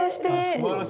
すばらしい。